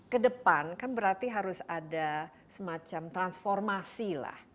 ke depan kan berarti harus ada semacam transformasi lah